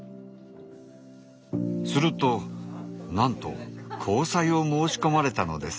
するとなんと交際を申し込まれたのです。